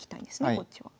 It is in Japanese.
こっちは。